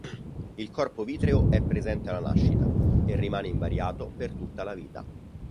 Il corpo vitreo è presente alla nascita e rimane invariato per tutta la vita.